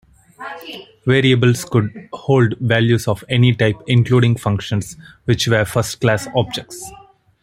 Variables could hold values of any type, including functions, which were first-class objects.